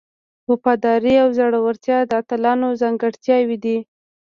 وفاداري او زړورتیا د اتلانو ځانګړتیاوې دي.